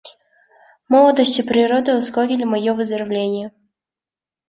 Молодость и природа ускорили мое выздоровление.